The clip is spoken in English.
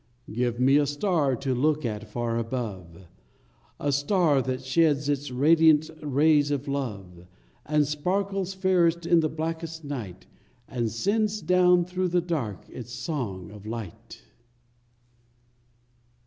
Give me a star to look at far above, A star that sheds its radiant rays of love, And sparkles fairest in the blackest night, And sends down through the dark its song of light!